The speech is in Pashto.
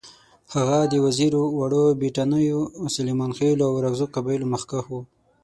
هغه د وزیرو، وړو بېټنیو، سلیمانخېلو او اورکزو قبایلو مخکښ وو.